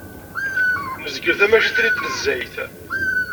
Nezgel tamacint-nni n tnezzayt.